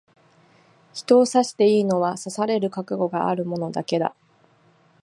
人を刺していいのは、刺される覚悟がある者だけだ。